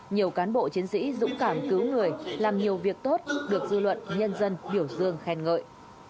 nhiều cán bộ chiến sĩ dũng cảm cứu người làm nhiều việc tốt được dư luận nhân dân biểu dương khen ngợi